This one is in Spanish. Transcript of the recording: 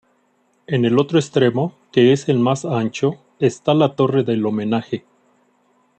En el otro extremo, que es el más ancho, está la torre del homenaje.